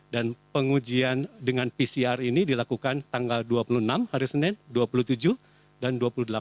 dan pengujian dengan pcr ini dilakukan tanggal dua puluh enam hari senin dua puluh tujuh dan dua puluh delapan